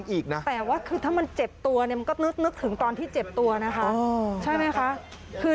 อืมจะบอกอะไรเขาไม่แบบแบบดื่มเหล้าหรืออะไรถ้าเลือกกันไปปั๊ดก็ดื่มเหล้าให้น้อยมากเลย